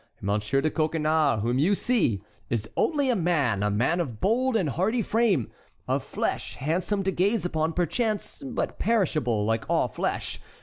Monsieur de Coconnas, whom you see, is only a man—a man of bold and hardy frame, of flesh handsome to gaze upon perchance, but perishable, like all flesh.